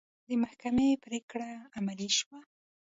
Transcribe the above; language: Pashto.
د محکمې پرېکړه عملي شوه.